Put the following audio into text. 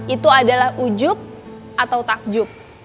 itu adalah ujuk atau takjub